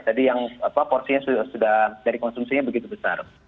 jadi yang porsinya sudah dari konsumsinya begitu besar